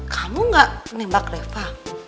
kamu gak nembak reva